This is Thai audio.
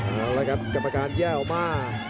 เอาละครับกรรมการแย่ออกมา